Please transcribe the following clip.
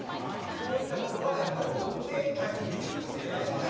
こういった事がやっぱり多くて１位という事になりました。